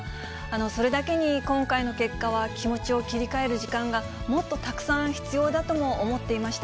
それだけに今回の結果は気持ちを切り替える時間がもっとたくさん必要だとも思っていました。